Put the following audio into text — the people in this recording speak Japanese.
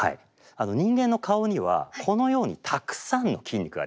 人間の顔にはこのようにたくさんの筋肉があります。